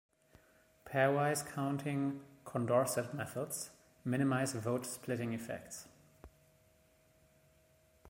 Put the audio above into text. Pairwise-counting Condorcet methods minimize vote splitting effects.